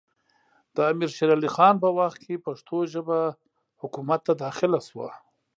د امیر شېر علي خان په وخت کې پښتو ژبه حکومت ته داخله سوه